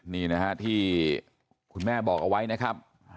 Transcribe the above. นี่นะฮะที่คุณแม่บอกเอาไว้นะครับ